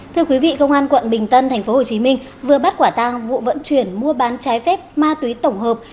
thưa quý vị công an quận bình tân tp hcm vừa bắt quả tang vụ vận chuyển mua bán trái phép ma túy tổng hợp